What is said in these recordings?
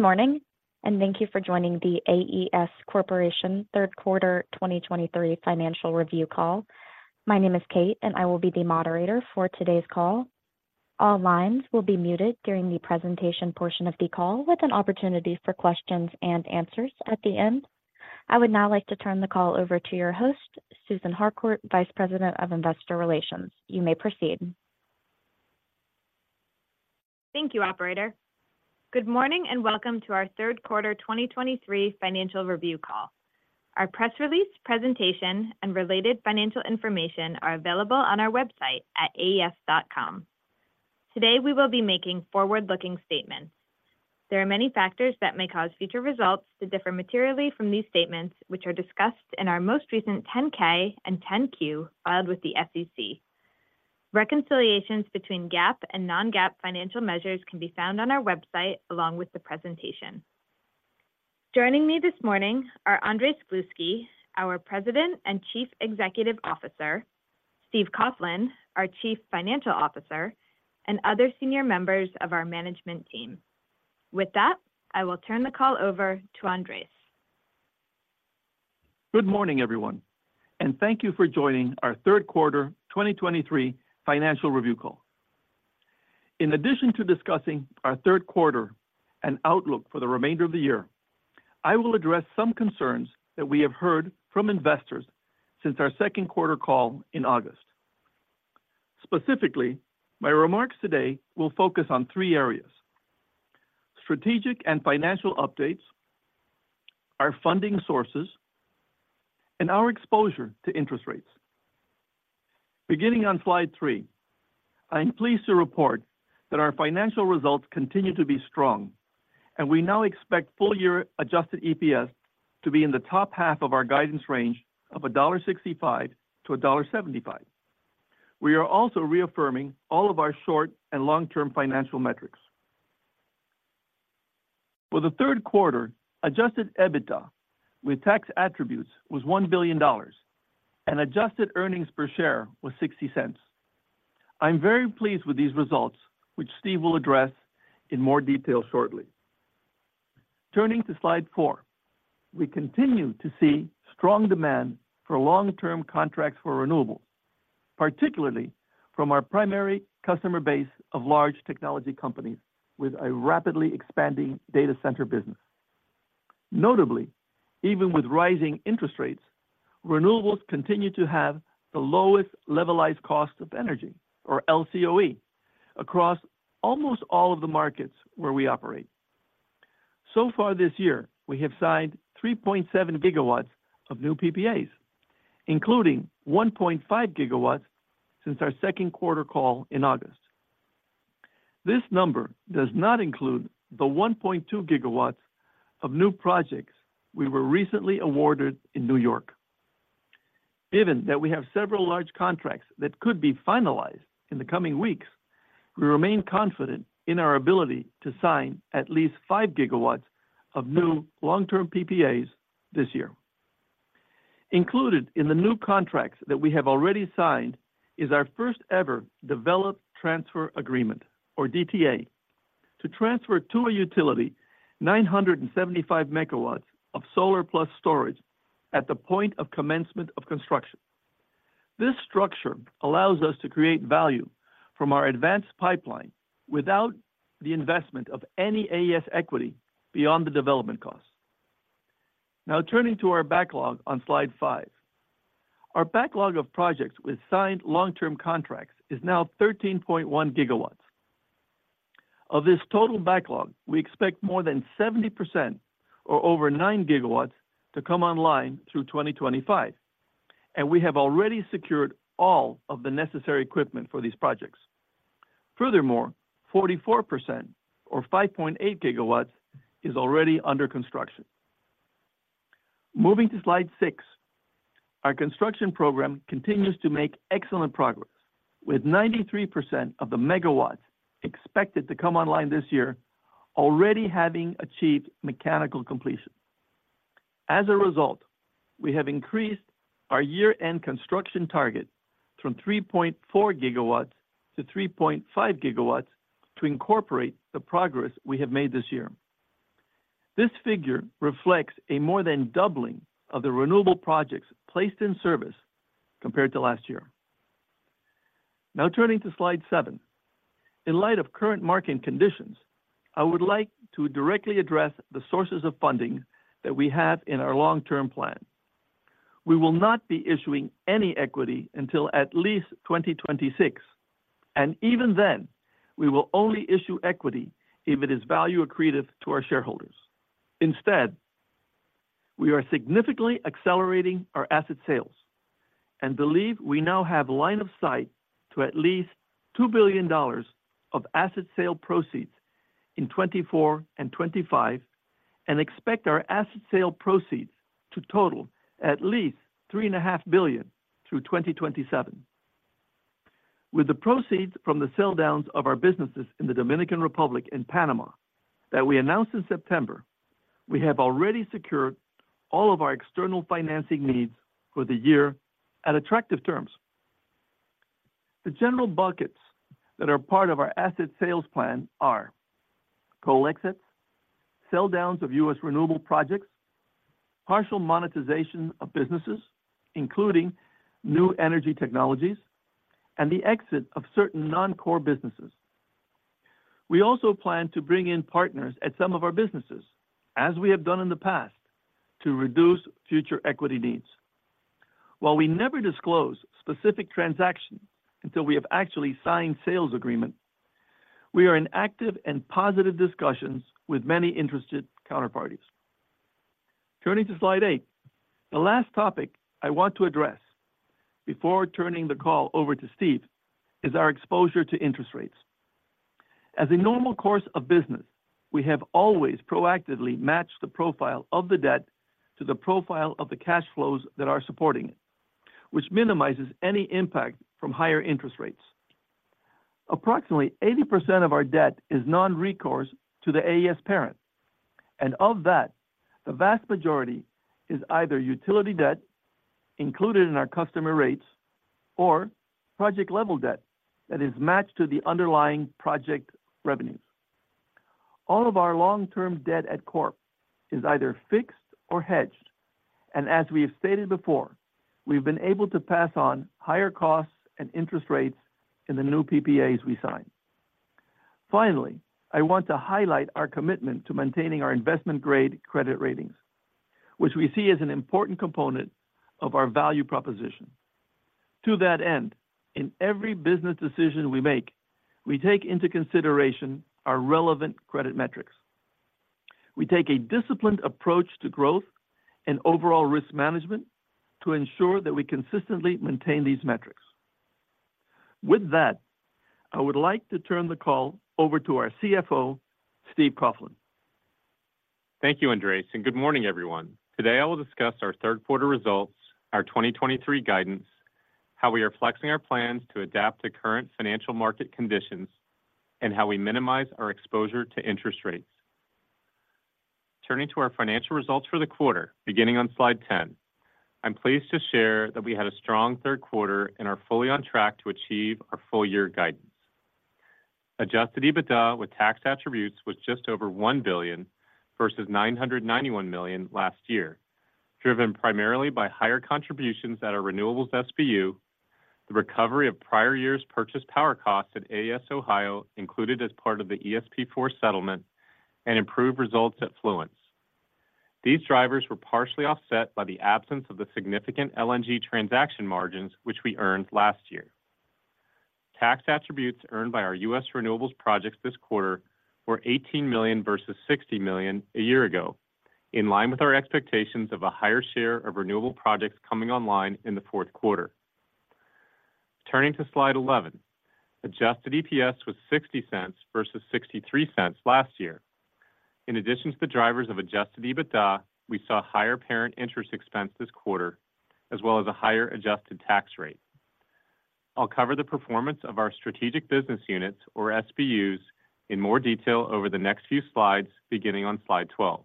Good morning, and thank you for joining the AES Corporation third quarter 2023 financial review call. My name is Kate, and I will be the moderator for today's call. All lines will be muted during the presentation portion of the call, with an opportunity for questions and answers at the end. I would now like to turn the call over to your host, Susan Harcourt, Vice President of Investor Relations. You may proceed. Thank you, operator. Good morning, and welcome to our third quarter 2023 financial review call. Our press release, presentation, and related financial information are available on our website at aes.com. Today, we will be making forward-looking statements. There are many factors that may cause future results to differ materially from these statements, which are discussed in our most recent 10-K and 10-Q filed with the SEC. Reconciliations between GAAP and non-GAAP financial measures can be found on our website, along with the presentation. Joining me this morning are Andrés Gluski, our President and Chief Executive Officer, Steve Coughlin, our Chief Financial Officer, and other senior members of our management team. With that, I will turn the call over to Andrés. Good morning, everyone, and thank you for joining our third quarter 2023 financial review call. In addition to discussing our third quarter and outlook for the remainder of the year, I will address some concerns that we have heard from investors since our second quarter call in August. Specifically, my remarks today will focus on three areas: strategic and financial updates, our funding sources, and our exposure to interest rates. Beginning on slide three, I'm pleased to report that our financial results continue to be strong, and we now expect full-year adjusted EPS to be in the top half of our guidance range of $1.65-$1.75. We are also reaffirming all of our short and long-term financial metrics. For the third quarter, adjusted EBITDA with tax attributes was $1 billion, and adjusted earnings per share was $0.60. I'm very pleased with these results, which Steve will address in more detail shortly. Turning to slide four, we continue to see strong demand for long-term contracts for Renewables, particularly from our primary customer base of large technology companies with a rapidly expanding data center business. Notably, even with rising interest rates, Renewables continue to have the lowest levelized cost of energy, or LCOE, across almost all of the markets where we operate. So far this year, we have signed 3.7 GW of new PPAs, including 1.5 GW since our second quarter call in August. This number does not include the 1.2 GW of new projects we were recently awarded in New York. Given that we have several large contracts that could be finalized in the coming weeks, we remain confident in our ability to sign at least 5 GW of new long-term PPAs this year. Included in the new contracts that we have already signed is our first-ever development transfer agreement, or DTA, to transfer to a utility 975 MW of solar plus storage at the point of commencement of construction. This structure allows us to create value from our advanced pipeline without the investment of any AES equity beyond the development costs. Now, turning to our backlog on slide five. Our backlog of projects with signed long-term contracts is now 13.1 GW. Of this total backlog, we expect more than 70% or over 9 GW to come online through 2025, and we have already secured all of the necessary equipment for these projects. Furthermore, 44% or 5.8 GW is already under construction. Moving to slide six, our construction program continues to make excellent progress, with 93% of the megawatts expected to come online this year already having achieved mechanical completion. As a result, we have increased our year-end construction target from 3.4 GW to 3.5 GW to incorporate the progress we have made this year. This figure reflects a more than doubling of the renewable projects placed in service compared to last year. Now, turning to slide seven. In light of current market conditions, I would like to directly address the sources of funding that we have in our long-term plan. We will not be issuing any equity until at least 2026, and even then, we will only issue equity if it is value accretive to our shareholders. Instead, we are significantly accelerating our asset sales and believe we now have line of sight to at least $2 billion of asset sale proceeds in 2024 and 2025 and expect our asset sale proceeds to total at least $3.5 billion through 2027. With the proceeds from the sell-downs of our businesses in the Dominican Republic and Panama that we announced in September, we have already secured all of our external financing needs for the year at attractive terms. The general buckets that are part of our asset sales plan are: coal exits, sell-downs of U.S. renewable projects, partial monetization of businesses, including New Energy Technologies, and the exit of certain non-core businesses. We also plan to bring in partners at some of our businesses, as we have done in the past, to reduce future equity needs. While we never disclose specific transactions until we have actually signed sales agreement, we are in active and positive discussions with many interested counterparties. Turning to slide eight. The last topic I want to address before turning the call over to Steve, is our exposure to interest rates. As a normal course of business, we have always proactively matched the profile of the debt to the profile of the cash flows that are supporting it, which minimizes any impact from higher interest rates. Approximately 80% of our debt is non-recourse to the AES parent, and of that, the vast majority is either utility debt included in our customer rates or project-level debt that is matched to the underlying project revenues. All of our long-term debt at Corp is either fixed or hedged, and as we have stated before, we've been able to pass on higher costs and interest rates in the new PPAs we sign. Finally, I want to highlight our commitment to maintaining our investment-grade credit ratings, which we see as an important component of our value proposition. To that end, in every business decision we make, we take into consideration our relevant credit metrics. We take a disciplined approach to growth and overall risk management to ensure that we consistently maintain these metrics. With that, I would like to turn the call over to our CFO, Steve Coughlin. Thank you, Andrés, and good morning, everyone. Today, I will discuss our third quarter results, our 2023 guidance, how we are flexing our plans to adapt to current financial market conditions, and how we minimize our exposure to interest rates. Turning to our financial results for the quarter, beginning on slide 10. I'm pleased to share that we had a strong third quarter and are fully on track to achieve our full-year guidance. Adjusted EBITDA with tax attributes was just over $1 billion versus $991 million last year, driven primarily by higher contributions at our Renewables SBU, the recovery of prior years' purchase power costs at AES Ohio, included as part of the ESP4 settlement, and improved results at Fluence. These drivers were partially offset by the absence of the significant LNG transaction margins, which we earned last year. Tax attributes earned by our U.S. Renewables projects this quarter were $18 million versus $60 million a year ago, in line with our expectations of a higher share of renewable projects coming online in the fourth quarter. Turning to slide 11. Adjusted EPS was $0.60 versus $0.63 last year. In addition to the drivers of adjusted EBITDA, we saw higher parent interest expense this quarter, as well as a higher adjusted tax rate. I'll cover the performance of our strategic business units, or SBUs, in more detail over the next few slides, beginning on slide 12.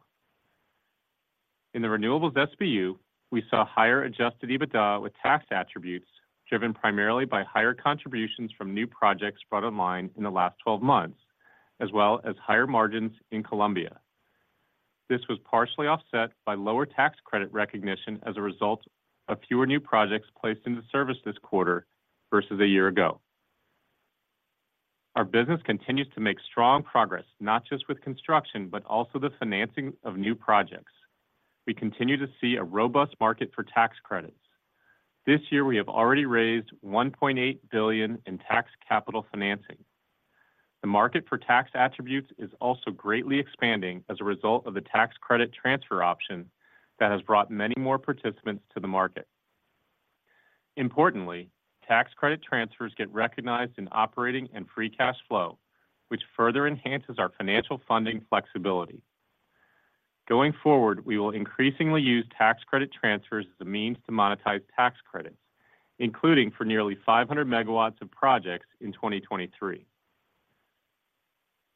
In the Renewables SBU, we saw higher adjusted EBITDA with tax attributes, driven primarily by higher contributions from new projects brought online in the last 12 months, as well as higher margins in Colombia. This was partially offset by lower tax credit recognition as a result of fewer new projects placed into service this quarter versus a year ago. Our business continues to make strong progress, not just with construction, but also the financing of new projects. We continue to see a robust market for tax credits. This year, we have already raised $1.8 billion in tax capital financing. The market for tax attributes is also greatly expanding as a result of the tax credit transfer option that has brought many more participants to the market. Importantly, tax credit transfers get recognized in operating and free cash flow, which further enhances our financial funding flexibility. Going forward, we will increasingly use tax credit transfers as a means to monetize tax credits, including for nearly 500 MW of projects in 2023.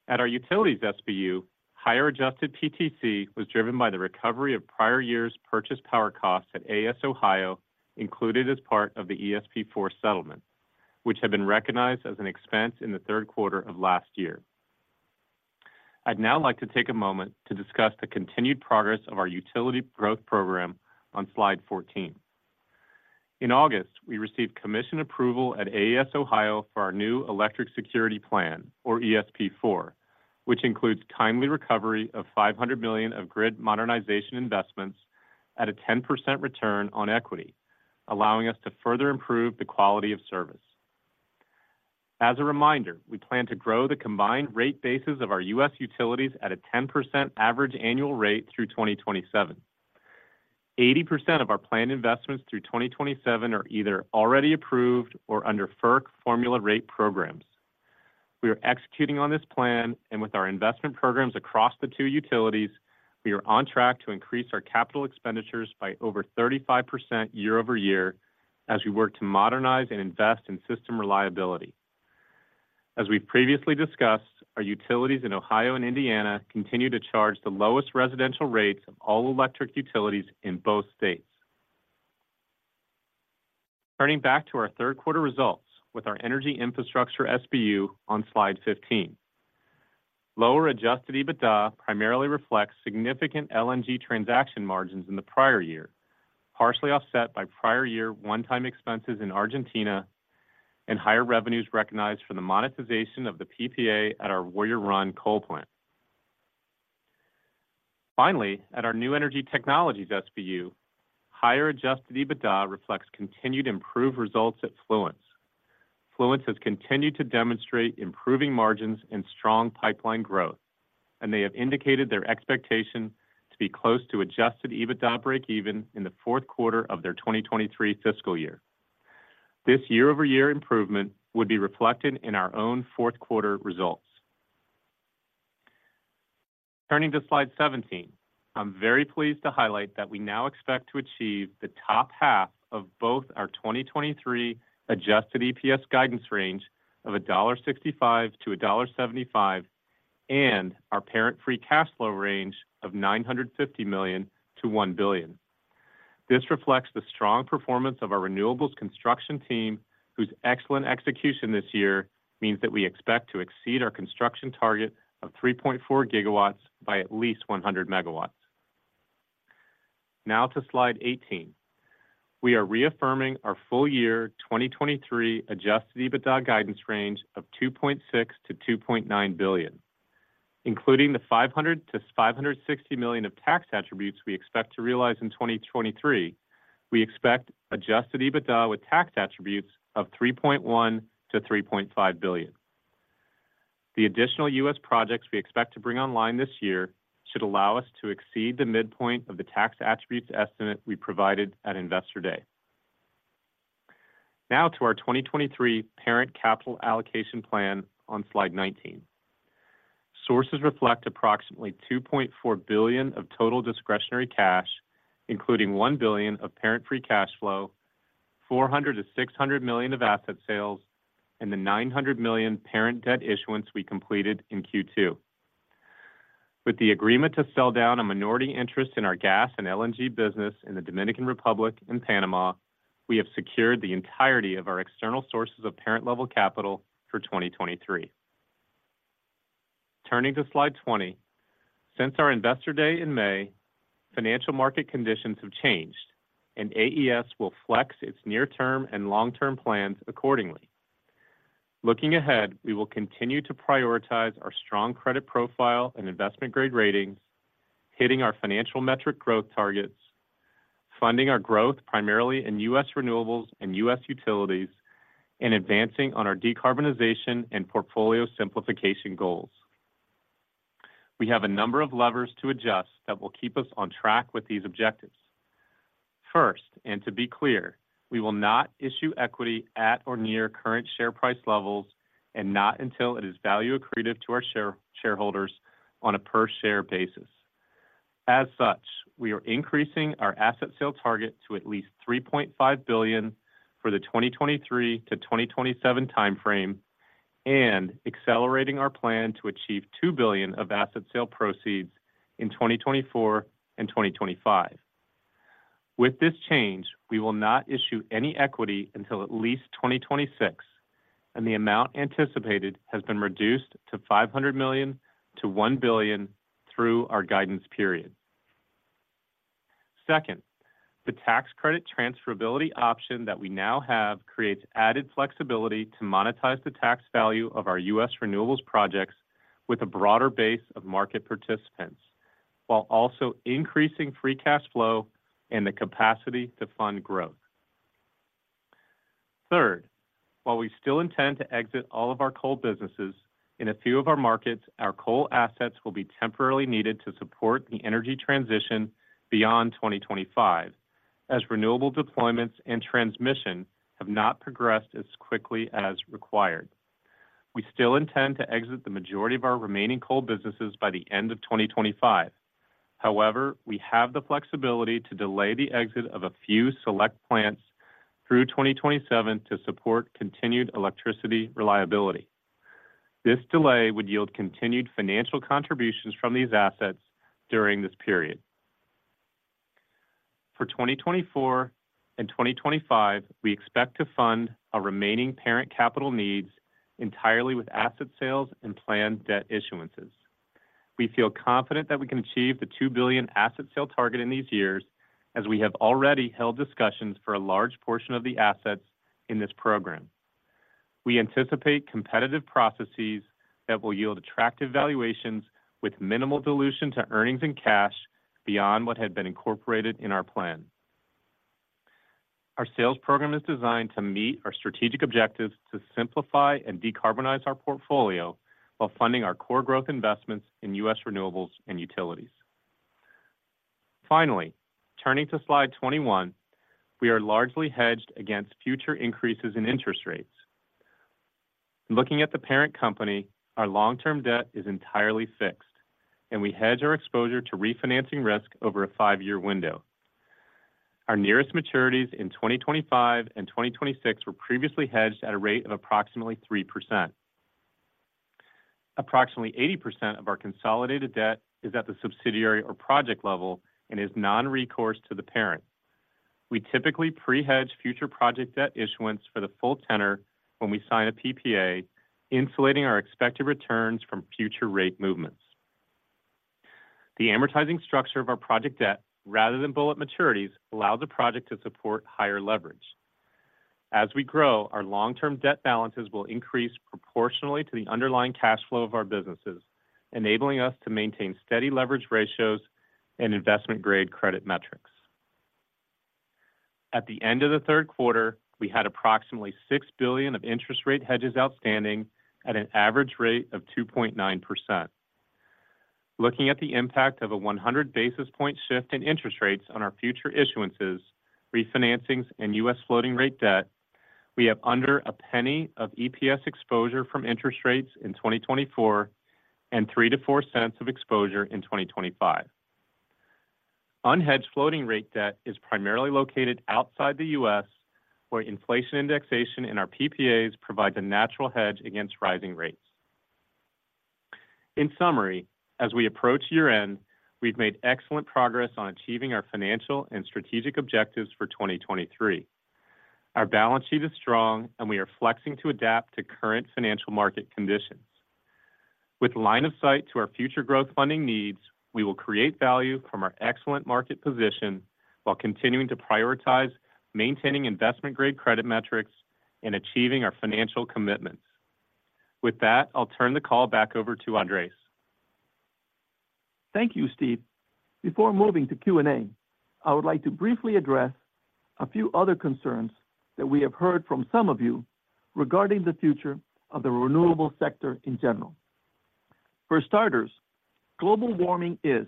At our Utilities SBU, higher adjusted PTC was driven by the recovery of prior years' purchased power costs at AES Ohio, included as part of the ESP4 settlement, which had been recognized as an expense in the third quarter of last year. I'd now like to take a moment to discuss the continued progress of our utility growth program on slide 14. In August, we received commission approval at AES Ohio for our new Electric Security Plan, or ESP4, which includes timely recovery of $500 million of grid modernization investments at a 10% return on equity, allowing us to further improve the quality of service. As a reminder, we plan to grow the combined rate bases of our U.S. Utilities at a 10% average annual rate through 2027. 80% of our planned investments through 2027 are either already approved or under FERC formula rate programs. We are executing on this plan, and with our investment programs across the two utilities, we are on track to increase our capital expenditures by over 35% year-over-year as we work to modernize and invest in system reliability. As we've previously discussed, our utilities in Ohio and Indiana continue to charge the lowest residential rates of all electric utilities in both states. Turning back to our third quarter results with our Energy Infrastructure SBU on slide 15. Lower adjusted EBITDA primarily reflects significant LNG transaction margins in the prior year, partially offset by prior year one-time expenses in Argentina and higher revenues recognized for the monetization of the PPA at our Warrior Run coal plant. Finally, at our New Energy Technologies SBU, higher adjusted EBITDA reflects continued improved results at Fluence. Fluence has continued to demonstrate improving margins and strong pipeline growth, and they have indicated their expectation to be close to adjusted EBITDA breakeven in the fourth quarter of their 2023 fiscal year. This year-over-year improvement would be reflected in our own fourth quarter results. Turning to slide 17, I'm very pleased to highlight that we now expect to achieve the top half of both our 2023 adjusted EPS guidance range of $1.65-$1.75, and our parent free cash flow range of $950 million-$1 billion. This reflects the strong performance of our Renewables Construction team, whose excellent execution this year means that we expect to exceed our construction target of 3.4 GW by at least 100 MW. Now to slide 18. We are reaffirming our full year 2023 adjusted EBITDA guidance range of $2.6 billion-$2.9 billion. Including the $500 million-$560 million of tax attributes we expect to realize in 2023, we expect adjusted EBITDA with tax attributes of $3.1 billion-$3.5 billion. The additional U.S. projects we expect to bring online this year should allow us to exceed the midpoint of the tax attributes estimate we provided at Investor Day. Now to our 2023 Parent Capital Allocation plan on slide 19. Sources reflect approximately $2.4 billion of total discretionary cash, including $1 billion of parent free cash flow, $400 million-$600 million of asset sales, and the $900 million parent debt issuance we completed in Q2. With the agreement to sell down a minority interest in our gas and LNG business in the Dominican Republic and Panama, we have secured the entirety of our external sources of parent-level capital for 2023. Turning to slide 20. Since our Investor Day in May, financial market conditions have changed, and AES will flex its near-term and long-term plans accordingly. Looking ahead, we will continue to prioritize our strong credit profile and investment-grade ratings, hitting our financial metric growth targets, funding our growth primarily in U.S. Renewables and U.S. Utilities, and advancing on our decarbonization and portfolio simplification goals. We have a number of levers to adjust that will keep us on track with these objectives. First, and to be clear, we will not issue equity at or near current share price levels and not until it is value accretive to our shareholders on a per-share basis. As such, we are increasing our asset sale target to at least $3.5 billion for the 2023-2027 timeframe and accelerating our plan to achieve $2 billion of asset sale proceeds in 2024 and 2025. With this change, we will not issue any equity until at least 2026, and the amount anticipated has been reduced to $500 million-$1 billion through our guidance period. Second, the tax credit transferability option that we now have creates added flexibility to monetize the tax value of our U.S. Renewables projects with a broader base of market participants, while also increasing free cash flow and the capacity to fund growth. Third, while we still intend to exit all of our coal businesses, in a few of our markets, our coal assets will be temporarily needed to support the energy transition beyond 2025, as renewable deployments and transmission have not progressed as quickly as required. We still intend to exit the majority of our remaining coal businesses by the end of 2025. However, we have the flexibility to delay the exit of a few select plants through 2027 to support continued electricity reliability. This delay would yield continued financial contributions from these assets during this period. For 2024 and 2025, we expect to fund our remaining parent capital needs entirely with asset sales and planned debt issuances. We feel confident that we can achieve the $2 billion asset sale target in these years, as we have already held discussions for a large portion of the assets in this program. We anticipate competitive processes that will yield attractive valuations with minimal dilution to earnings and cash beyond what had been incorporated in our plan. Our sales program is designed to meet our strategic objectives to simplify and decarbonize our portfolio while funding our core growth investments in U.S. Renewables and Utilities. Finally, turning to slide 21, we are largely hedged against future increases in interest rates. Looking at the parent company, our long-term debt is entirely fixed, and we hedge our exposure to refinancing risk over a five-year window. Our nearest maturities in 2025 and 2026 were previously hedged at a rate of approximately 3%. Approximately 80% of our consolidated debt is at the subsidiary or project level and is non-recourse to the parent. We typically pre-hedge future project debt issuance for the full tenor when we sign a PPA, insulating our expected returns from future rate movements. The amortizing structure of our project debt, rather than bullet maturities, allows the project to support higher leverage. As we grow, our long-term debt balances will increase proportionally to the underlying cash flow of our businesses, enabling us to maintain steady leverage ratios and investment-grade credit metrics. At the end of the third quarter, we had approximately $6 billion of interest rate hedges outstanding at an average rate of 2.9%. Looking at the impact of a 100 basis point shift in interest rates on our future issuances, refinancings, and U.S. floating rate debt, we have under $0.01 of EPS exposure from interest rates in 2024 and $0.03-$0.04 of exposure in 2025. Unhedged floating rate debt is primarily located outside the U.S., where inflation indexation in our PPAs provides a natural hedge against rising rates. In summary, as we approach year-end, we've made excellent progress on achieving our financial and strategic objectives for 2023. Our balance sheet is strong, and we are flexing to adapt to current financial market conditions. With line of sight to our future growth funding needs, we will create value from our excellent market position while continuing to prioritize maintaining investment-grade credit metrics and achieving our financial commitments. With that, I'll turn the call back over to Andrés. Thank you, Steve. Before moving to Q&A, I would like to briefly address a few other concerns that we have heard from some of you regarding the future of the renewable sector in general. For starters, global warming is,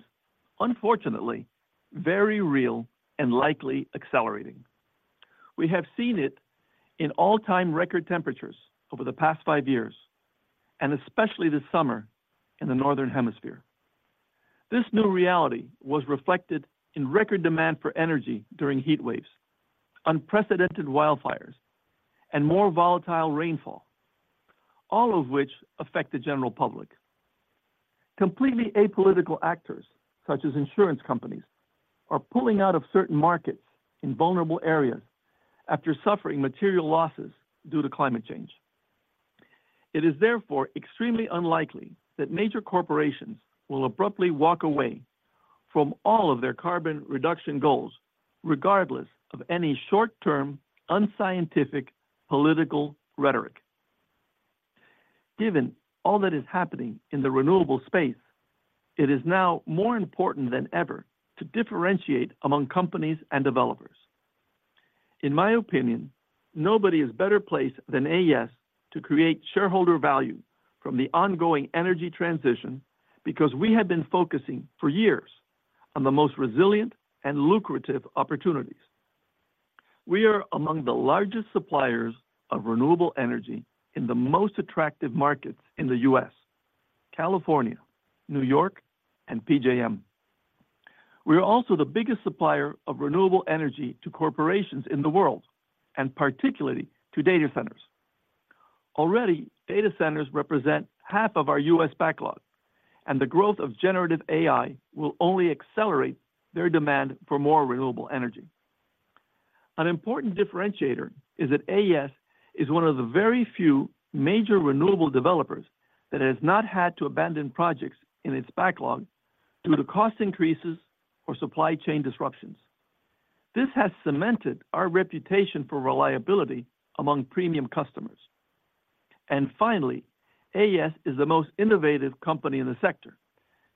unfortunately, very real and likely accelerating. We have seen it in all-time record temperatures over the past five years, and especially this summer in the Northern Hemisphere. This new reality was reflected in record demand for energy during heatwaves, unprecedented wildfires, and more volatile rainfall, all of which affect the general public. Completely apolitical actors, such as insurance companies, are pulling out of certain markets in vulnerable areas after suffering material losses due to climate change. It is therefore extremely unlikely that major corporations will abruptly walk away from all of their carbon reduction goals, regardless of any short-term, unscientific, political rhetoric. Given all that is happening in the renewable space, it is now more important than ever to differentiate among companies and developers. In my opinion, nobody is better placed than AES to create shareholder value from the ongoing energy transition because we have been focusing for years on the most resilient and lucrative opportunities. We are among the largest suppliers of renewable energy in the most attractive markets in the U.S., California, New York, and PJM. We are also the biggest supplier of renewable energy to corporations in the world, and particularly to data centers. Already, data centers represent half of our U.S. backlog, and the growth of generative AI will only accelerate their demand for more renewable energy. An important differentiator is that AES is one of the very few major renewable developers that has not had to abandon projects in its backlog due to cost increases or supply chain disruptions. This has cemented our reputation for reliability among premium customers. And finally, AES is the most innovative company in the sector,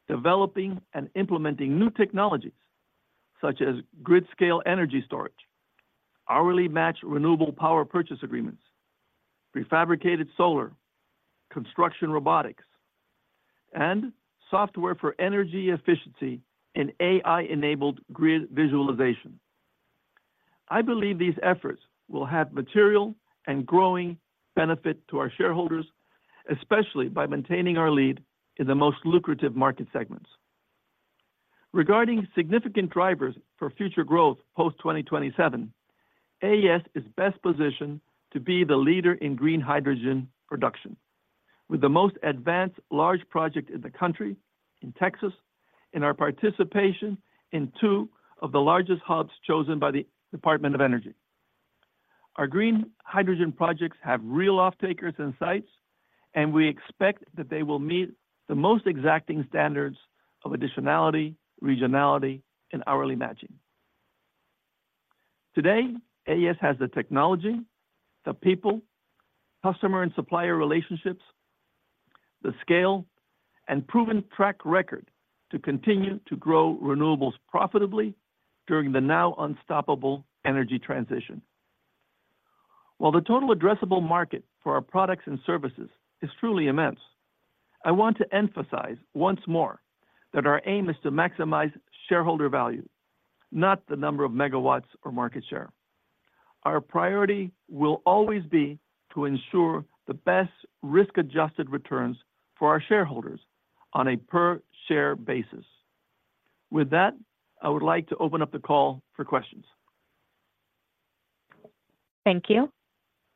developing and implementing new technologies such as grid-scale energy storage, hourly matched renewable power purchase agreements, prefabricated solar, construction robotics, and software for energy efficiency and AI-enabled grid visualization. I believe these efforts will have material and growing benefit to our shareholders, especially by maintaining our lead in the most lucrative market segments. Regarding significant drivers for future growth post-2027, AES is best positioned to be the leader in green hydrogen production, with the most advanced large project in the country in Texas, and our participation in two of the largest hubs chosen by the Department of Energy. Our green hydrogen projects have real off-takers and sites, and we expect that they will meet the most exacting standards of additionality, regionality, and hourly matching. Today, AES has the technology, the people, customer and supplier relationships, the scale, and proven track record to continue to grow renewables profitably during the now unstoppable energy transition. While the total addressable market for our products and services is truly immense, I want to emphasize once more that our aim is to maximize shareholder value, not the number of megawatts or market share.... Our priority will always be to ensure the best risk-adjusted returns for our shareholders on a per-share basis. With that, I would like to open up the call for questions. Thank you.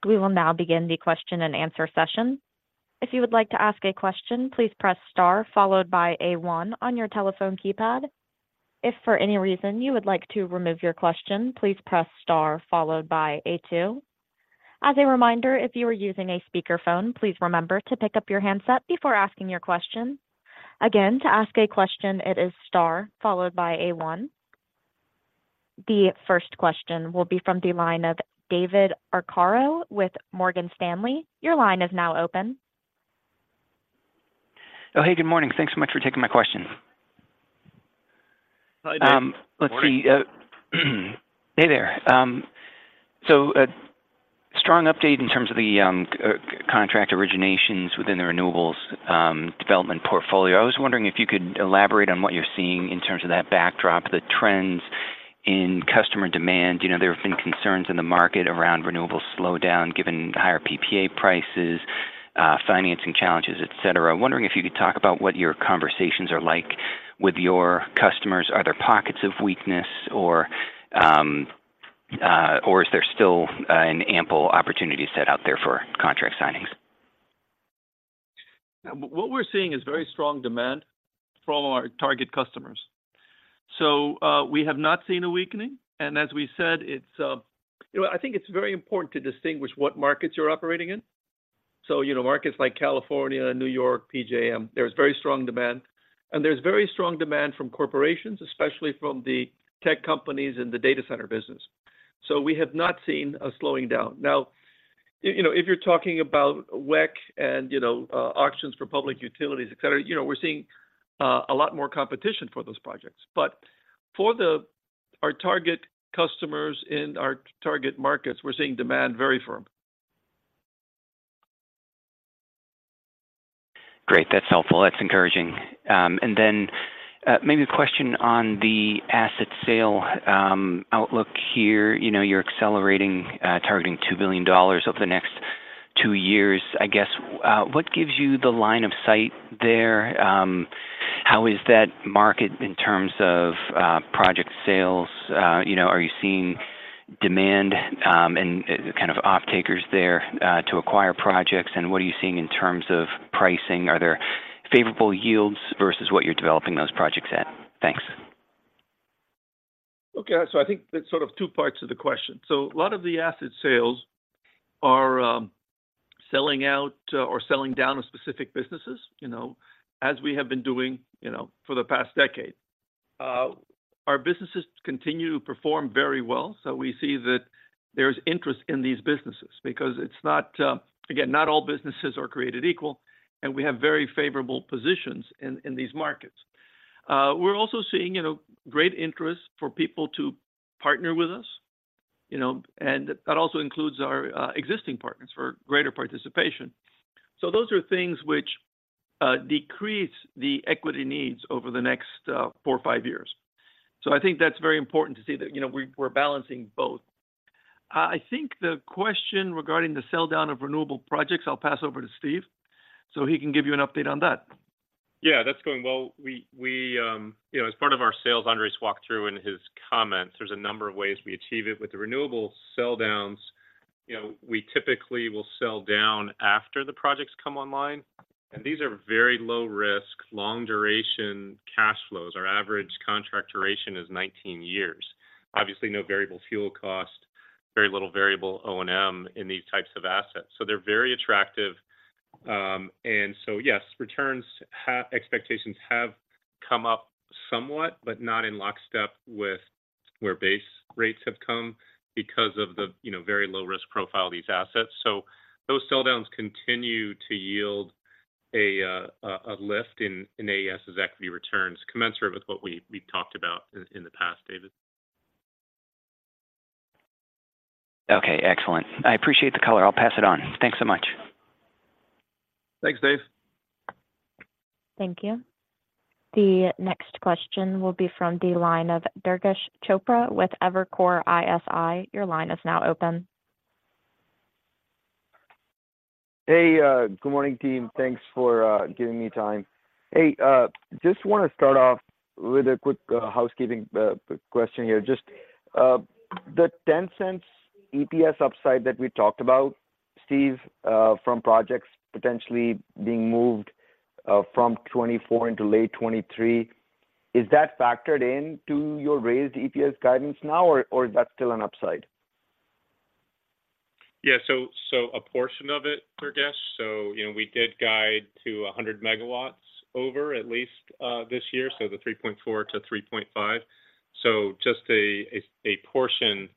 We will now begin the question-and-answer session. If you would like to ask a question, please press star followed by a one on your telephone keypad. If for any reason you would like to remove your question, please press star followed by a two. As a reminder, if you are using a speakerphone, please remember to pick up your handset before asking your question. Again, to ask a question, it is star followed by a one. The first question will be from the line of David Arcaro with Morgan Stanley. Your line is now open. Oh, hey, good morning. Thanks so much for taking my question. Hi, Dave. Good morning. Let's see. Hey there. So a strong update in terms of the contract originations within the renewables development portfolio. I was wondering if you could elaborate on what you're seeing in terms of that backdrop, the trends in customer demand. You know, there have been concerns in the market around renewables slowdown, given higher PPA prices, financing challenges, et cetera. I'm wondering if you could talk about what your conversations are like with your customers. Are there pockets of weakness or, or is there still an ample opportunity set out there for contract signings? What we're seeing is very strong demand from our target customers. So, we have not seen a weakening, and as we said, it's... You know, I think it's very important to distinguish what markets you're operating in. So, you know, markets like California, New York, PJM, there is very strong demand. And there's very strong demand from corporations, especially from the tech companies in the data center business. So we have not seen a slowing down. Now, you know, if you're talking about WECC and, you know, auctions for public utilities, et cetera, you know, we're seeing a lot more competition for those projects. But for the, our target customers in our target markets, we're seeing demand very firm. Great, that's helpful. That's encouraging. And then, maybe a question on the asset sale, outlook here. You know, you're accelerating, targeting $2 billion over the next two years. I guess, what gives you the line of sight there? How is that market in terms of project sales? You know, are you seeing demand, and kind of off-takers there, to acquire projects? And what are you seeing in terms of pricing? Are there favorable yields versus what you're developing those projects at? Thanks. Okay, so I think there's sort of two parts to the question. So a lot of the asset sales are, selling out, or selling down to specific businesses, you know, as we have been doing, you know, for the past decade. Our businesses continue to perform very well, so we see that there's interest in these businesses because it's not, again, not all businesses are created equal, and we have very favorable positions in these markets. We're also seeing, you know, great interest for people to partner with us, you know, and that also includes our, existing partners for greater participation. So those are things which, decrease the equity needs over the next, four or five years. So I think that's very important to see that, you know, we're balancing both. I think the question regarding the sell down of renewable projects, I'll pass over to Steve so he can give you an update on that. Yeah, that's going well. We, we, you know, as part of our sales, Andrés walked through in his comments, there's a number of ways we achieve it. With the renewable sell downs, you know, we typically will sell down after the projects come online, and these are very low risk, long-duration cash flows. Our average contract duration is 19 years. Obviously, no variable fuel cost, very little variable O&M in these types of assets, so they're very attractive. And so yes, returns have, expectations have come up somewhat, but not in lockstep with where base rates have come because of the, you know, very low-risk profile of these assets. So those sell downs continue to yield a lift in AES's equity returns, commensurate with what we talked about in the past, David. Okay, excellent. I appreciate the color. I'll pass it on. Thanks so much. Thanks, Dave. Thank you. The next question will be from the line of Durgesh Chopra with Evercore ISI. Your line is now open. Hey, good morning, team. Thanks for giving me time. Hey, just want to start off with a quick housekeeping question here. Just, the $0.10 EPS upside that we talked about, Steve, from projects potentially being moved from 2024 into late 2023, is that factored into your raised EPS guidance now, or is that still an upside? Yeah, so a portion of it, Durgesh. So, you know, we did guide to 100 MW over at least this year, so the $3.4-$3.5. So just a portion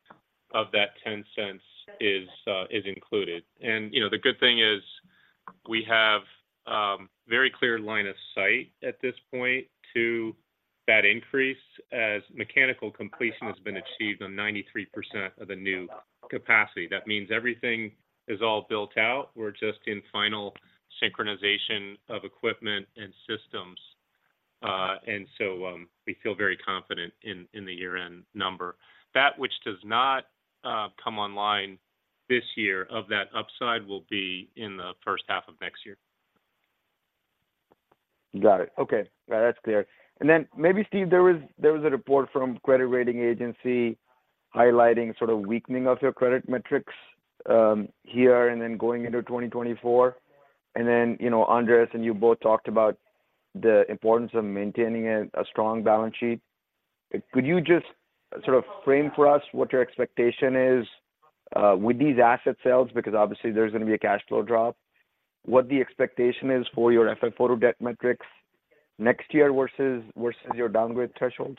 of that $0.10 is included. And, you know, the good thing is we have very clear line of sight at this point to that increase as mechanical completion has been achieved on 93% of the new capacity. That means everything is all built out. We're just in final synchronization of equipment and systems, and so we feel very confident in the year-end number. That which does not come online this year of that upside will be in the first half of next year. Got it. Okay. Yeah, that's clear. And then maybe Steve, there was a report from credit rating agency highlighting sort of weakening of your credit metrics here and then going into 2024. And then, you know, Andrés and you both talked about the importance of maintaining a strong balance sheet. Could you just sort of frame for us what your expectation is with these asset sales? Because obviously there's gonna be a cash flow drop. What the expectation is for your FFO/Debt metrics next year versus your downgrade thresholds?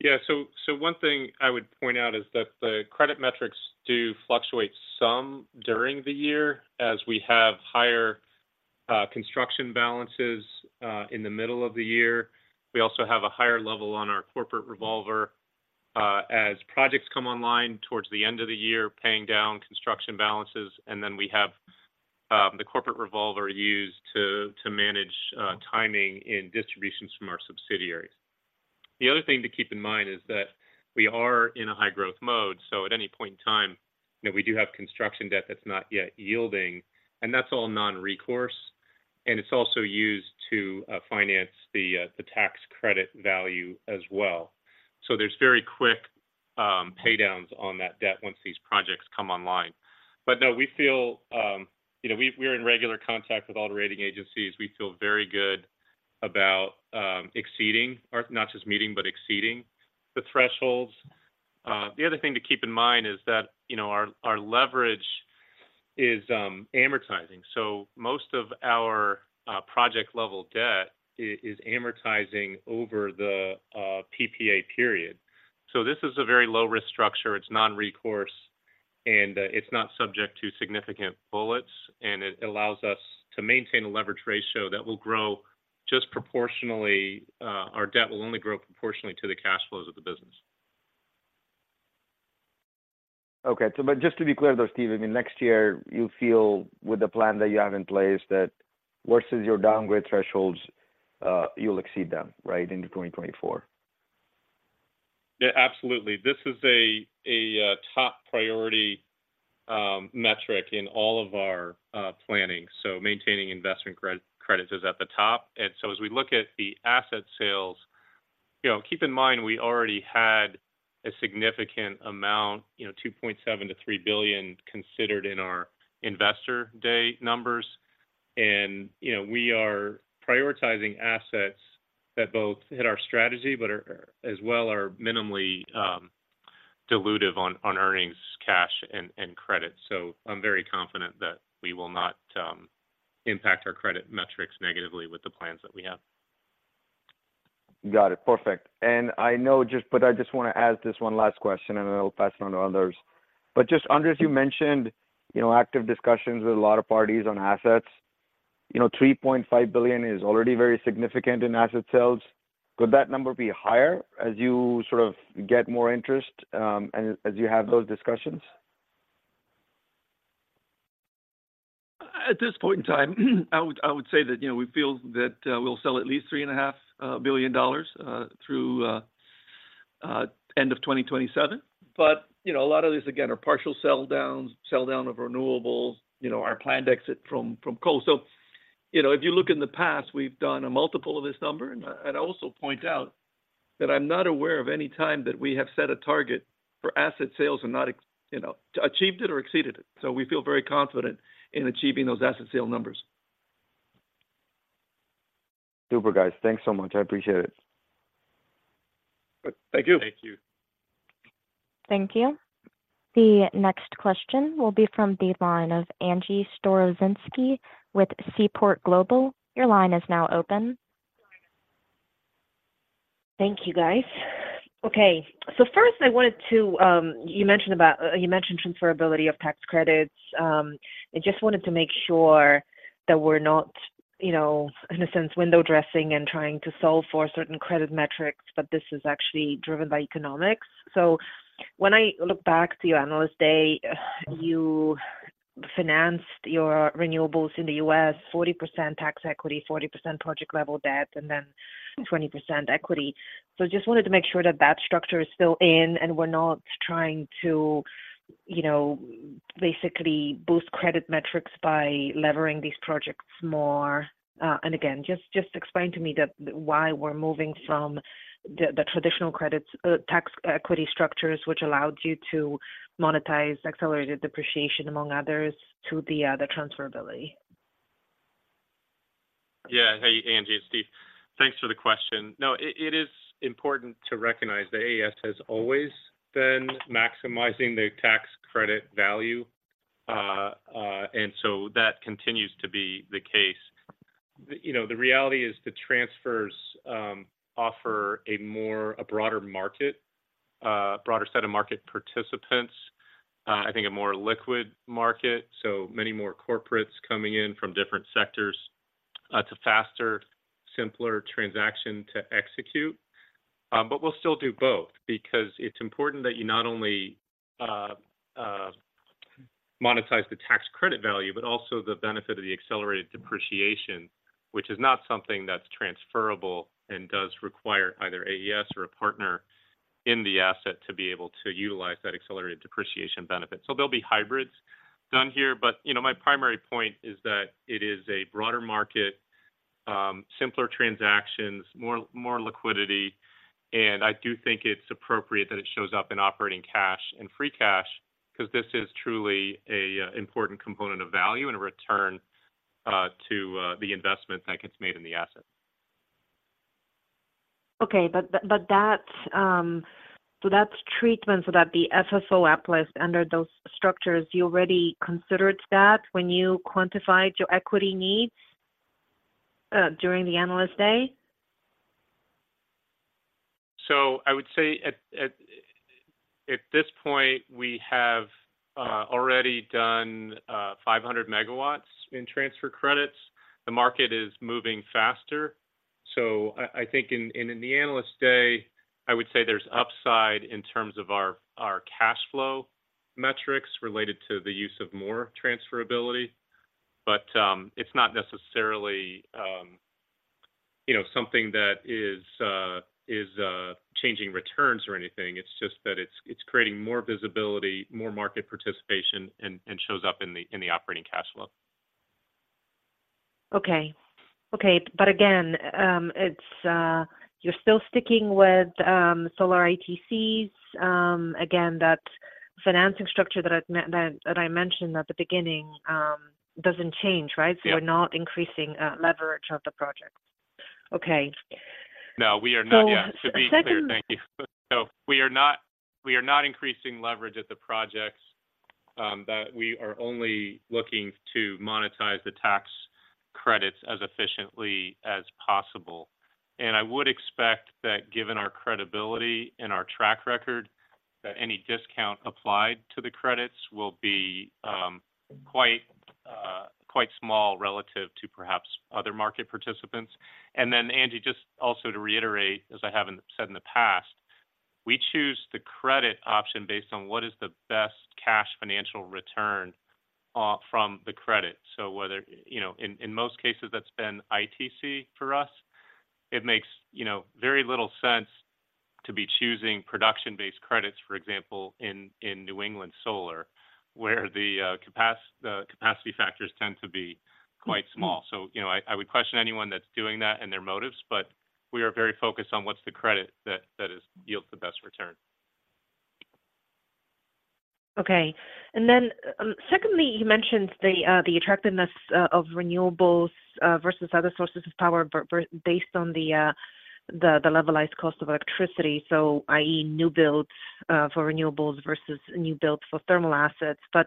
Yeah. So, so one thing I would point out is that the credit metrics do fluctuate some during the year as we have higher construction balances in the middle of the year. We also have a higher level on our corporate revolver as projects come online towards the end of the year, paying down construction balances, and then we have the corporate revolver used to manage timing in distributions from our subsidiaries. The other thing to keep in mind is that we are in a high-growth mode, so at any point in time, you know, we do have construction debt that's not yet yielding, and that's all non-recourse, and it's also used to finance the tax credit value as well. So there's very quick pay downs on that debt once these projects come online. But no, we're in regular contact with all the rating agencies. We feel very good about exceeding or not just meeting, but exceeding the thresholds. The other thing to keep in mind is that, you know, our, our leverage is amortizing. So most of our project level debt is amortizing over the PPA period. So this is a very low-risk structure. It's non-recourse, and it's not subject to significant bullets, and it allows us to maintain a leverage ratio that will grow just proportionally. Our debt will only grow proportionally to the cash flows of the business. Okay. So, but just to be clear, though, Steve, I mean, next year, you feel with the plan that you have in place, that versus your downgrade thresholds, you'll exceed them, right, into 2024? Yeah, absolutely. This is a top priority metric in all of our planning. So maintaining investment credits is at the top. And so as we look at the asset sales, you know, keep in mind, we already had a significant amount, you know, $2.7 billion-$3 billion considered in our Investor Day numbers. And, you know, we are prioritizing assets that both hit our strategy, but are, as well are minimally dilutive on earnings, cash, and credit. So I'm very confident that we will not impact our credit metrics negatively with the plans that we have. Got it. Perfect. And I know just—but I just want to ask this one last question, and then I'll pass it on to others. But just, Andrés, you mentioned, you know, active discussions with a lot of parties on assets. You know, $3.5 billion is already very significant in asset sales. Could that number be higher as you sort of get more interest, as you have those discussions? At this point in time, I would, I would say that, you know, we feel that we'll sell at least $3.5 billion through end of 2027. But, you know, a lot of these, again, are partial sell downs, sell down of renewables, you know, our planned exit from, from coal. So, you know, if you look in the past, we've done a multiple of this number. And I, and I also point out that I'm not aware of any time that we have set a target for asset sales and not, you know, achieved it or exceeded it. So we feel very confident in achieving those asset sale numbers. Super, guys. Thanks so much. I appreciate it. Thank you. Thank you. Thank you. The next question will be from the line of Angie Storozynski with Seaport Global. Your line is now open. Thank you, guys. Okay, so first, I wanted to. You mentioned about, you mentioned transferability of tax credits. I just wanted to make sure that we're not, you know, in a sense, window dressing and trying to solve for certain credit metrics, but this is actually driven by economics. So when I look back to your Analyst Day, you financed your Renewables in the U.S., 40% tax equity, 40% project level debt, and then 20% equity. So just wanted to make sure that that structure is still in, and we're not trying to, you know, basically boost credit metrics by levering these projects more. And again, just, just explain to me that why we're moving from the, the traditional credits, tax equity structures, which allowed you to monetize accelerated depreciation, among others, to the transferability. Yeah. Hey, Angie, it's Steve. Thanks for the question. No, it is important to recognize that AES has always been maximizing the tax credit value, and so that continues to be the case. You know, the reality is the transfers offer a broader market, a broader set of market participants, I think a more liquid market, so many more corporates coming in from different sectors, to faster, simpler transaction to execute. But we'll still do both because it's important that you not only monetize the tax credit value, but also the benefit of the accelerated depreciation, which is not something that's transferable and does require either AES or a partner in the asset to be able to utilize that accelerated depreciation benefit. So there'll be hybrids done here, but, you know, my primary point is that it is a broader market, simpler transactions, more, more liquidity, and I do think it's appropriate that it shows up in operating cash and free cash, because this is truly a important component of value and a return to the investment that gets made in the asset. Okay. But that's treatment so that the FFO applies under those structures. You already considered that when you quantified your equity needs during the Analyst Day? So I would say at this point, we have already done 500 MW in transfer credits. The market is moving faster, so I think in the Analyst Day, I would say there's upside in terms of our cash flow metrics related to the use of more transferability. But it's not necessarily, you know, something that is changing returns or anything. It's just that it's creating more visibility, more market participation, and shows up in the operating cash flow. Okay. Okay, but again, it's, you're still sticking with solar ITCs. Again, that financing structure that I mentioned at the beginning doesn't change, right? Yeah. So you're not increasing leverage of the project. Okay. No, we are not yet. So second- To be clear, thank you. So we are not, we are not increasing leverage at the projects, but we are only looking to monetize the tax credits as efficiently as possible. And I would expect that given our credibility and our track record, that any discount applied to the credits will be quite small relative to perhaps other market participants. And then, Angie, just also to reiterate, as I have said in the past, we choose the credit option based on what is the best cash financial return from the credit. So whether... You know, in most cases, that's been ITC for us. It makes, you know, very little sense to be choosing production-based credits, for example, in New England solar, where the capacity factors tend to be quite small. You know, I, I would question anyone that's doing that and their motives, but we are very focused on what's the credit that, that is, yields the best return. Okay. And then, secondly, you mentioned the attractiveness of renewables versus other sources of power based on the levelized cost of electricity, so i.e., new builds for renewables versus new builds for thermal assets. But,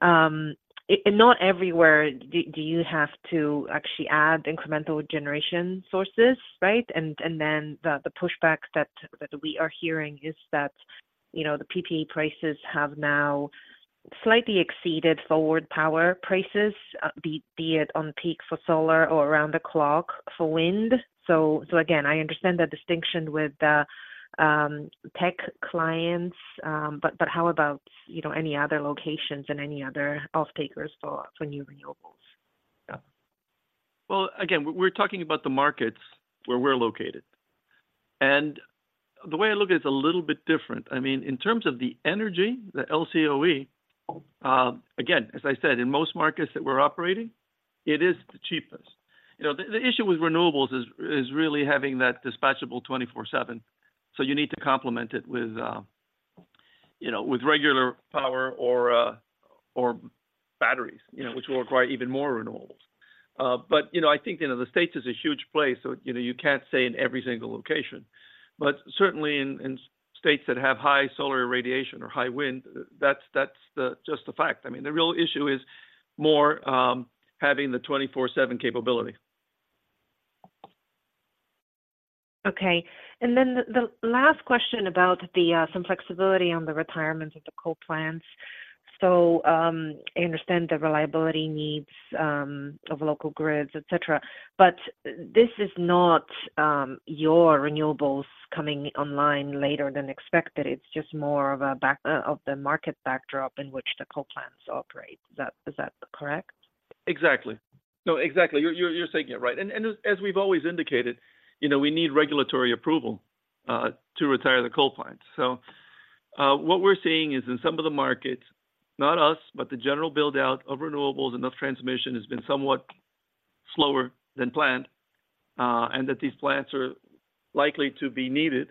not everywhere do you have to actually add incremental generation sources, right? And then the pushback that we are hearing is that, you know, the PPA prices have now slightly exceeded forward power prices, be it on peak for solar or around the clock for wind. So again, I understand the distinction with the tech clients, but how about, you know, any other locations and any other off-takers for new renewables? Yeah. Well, again, we're talking about the markets where we're located. And the way I look at it is a little bit different. I mean, in terms of the energy, the LCOE, again, as I said, in most markets that we're operating, it is the cheapest. You know, the issue with renewables is really having that dispatchable 24/7. So you need to complement it with, you know, with regular power or, or batteries, you know, which will require even more renewables. But, you know, I think, you know, the States is a huge place, so, you know, you can't say in every single location, but certainly in states that have high solar radiation or high wind, that's just the fact. I mean, the real issue is more having the 24/7 capability. Okay. And then the last question about some flexibility on the retirements of the coal plants. So, I understand the reliability needs of local grids, etc., but this is not your renewables coming online later than expected. It's just more of a back of the market backdrop in which the coal plants operate. Is that correct? Exactly. No, exactly. You're saying it right. And as we've always indicated, you know, we need regulatory approval to retire the coal plants. So what we're seeing is in some of the markets, not us, but the general build-out of renewables and those transmission has been somewhat slower than planned, and that these plants are likely to be needed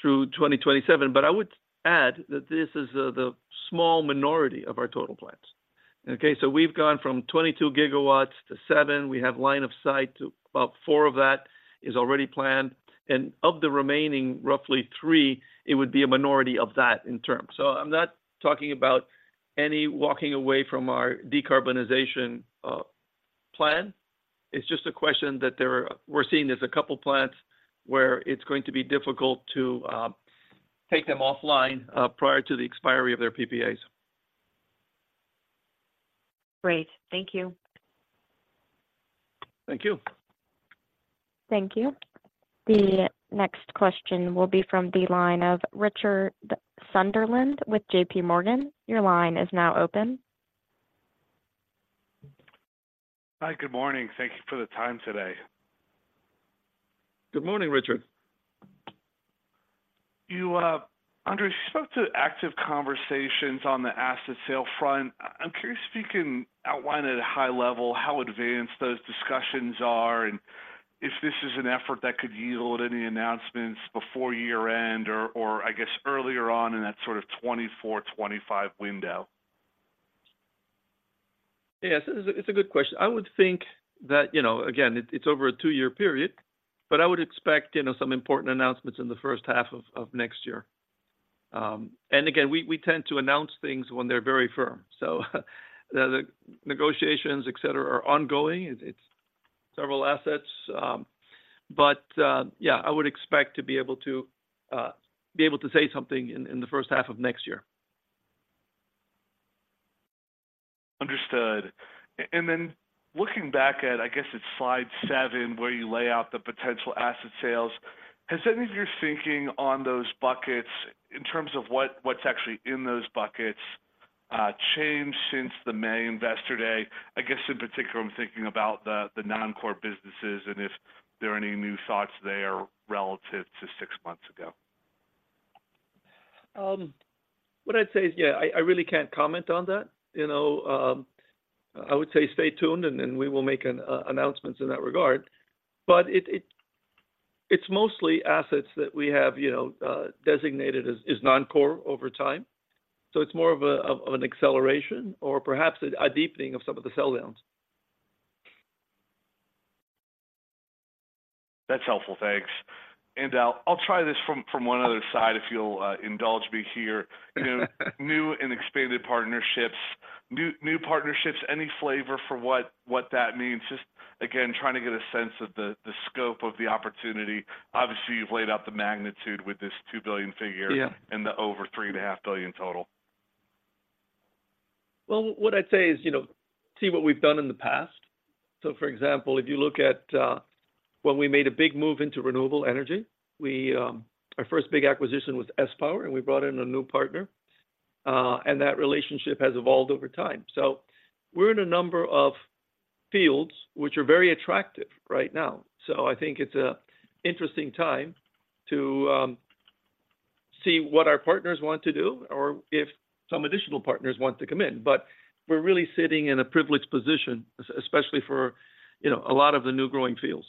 through 2027. But I would add that this is the small minority of our total plants. Okay, so we've gone from 22 GW to 7 GW. We have line of sight to about four of that is already planned, and of the remaining, roughly three, it would be a minority of that in turn. So I'm not talking about any walking away from our decarbonization plan. It's just a question that there are, we're seeing there's a couple plants where it's going to be difficult to take them offline prior to the expiry of their PPAs. Great. Thank you. Thank you. Thank you. The next question will be from the line of Richard Sunderland with JPMorgan. Your line is now open. Hi, good morning. Thank you for the time today. Good morning, Richard. You, Andrés, you spoke to active conversations on the asset sale front. I'm curious if you can outline at a high level how advanced those discussions are, and if this is an effort that could yield any announcements before year-end or I guess earlier on in that sort of 2024, 2025 window? Yes, it's a good question. I would think that, you know, again, it's over a two-year period, but I would expect, you know, some important announcements in the first half of next year. And again, we tend to announce things when they're very firm. So the negotiations, et cetera, are ongoing. It's several assets, but yeah, I would expect to be able to say something in the first half of next year. Understood. And then looking back at, I guess it's slide seven, where you lay out the potential asset sales, has any of your thinking on those buckets in terms of what, what's actually in those buckets, changed since the May Investor Day? I guess in particular, I'm thinking about the non-core businesses and if there are any new thoughts there relative to six months ago. What I'd say is, yeah, I really can't comment on that. You know, I would say stay tuned, and we will make an announcements in that regard. But it's mostly assets that we have, you know, designated as non-core over time. So it's more of an acceleration or perhaps a deepening of some of the sell downs. That's helpful. Thanks. I'll try this from one other side, if you'll indulge me here. You know, new and expanded partnerships, new partnerships, any flavor for what that means? Just again, trying to get a sense of the scope of the opportunity. Obviously, you've laid out the magnitude with this $2 billion figure and the over $3.5 billion total. Well, what I'd say is, you know, see what we've done in the past. So, for example, if you look at when we made a big move into renewable energy, we... Our first big acquisition was sPower, and we brought in a new partner, and that relationship has evolved over time. So we're in a number of fields which are very attractive right now. So I think it's an interesting time to see what our partners want to do or if some additional partners want to come in. But we're really sitting in a privileged position, especially for, you know, a lot of the new growing fields.